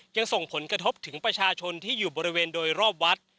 ยังส่งผลกระทบถึงประชาชนที่อยู่บริเวณโดยรอบวัด